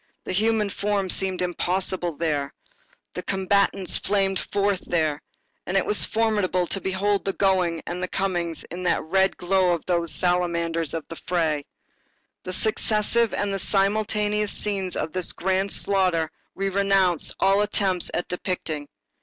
The human form seemed impossible there, the combatants flamed forth there, and it was formidable to behold the going and coming in that red glow of those salamanders of the fray. The successive and simultaneous scenes of this grand slaughter we renounce all attempts at depicting.